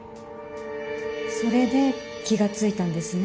それで気が付いたんですね。